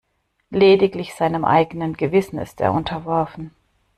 Lediglich seinem eigenen Gewissen ist er unterworfen.